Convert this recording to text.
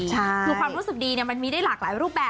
คือความรู้สึกดีมันมีได้หลากหลายรูปแบบ